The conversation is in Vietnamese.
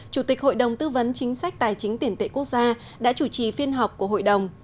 chủ tịch hội đồng tư vấn chính sách tài chính tiền tệ quốc gia đã chủ trì phiên họp của hội đồng